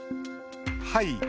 「はい」